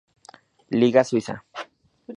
Liga suiza.